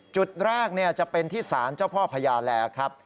จุดแรกจะเป็นที่สารเจ้าพ่อพญาแลครับ